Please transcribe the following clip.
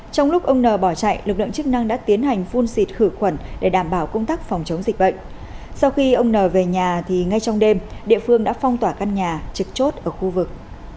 trong lúc ông n bỏ chạy lực lượng chức năng đã tiến hành phun xịt khử khuẩn để đảm bảo công tác phòng chống dịch bệnh sau khi ông n về nhà thì ngay trong đêm địa phương đã phong tỏa căn nhà trực chốt ở khu vực